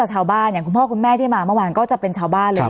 ชาวบ้านอย่างคุณพ่อคุณแม่ที่มาเมื่อวานก็จะเป็นชาวบ้านเลย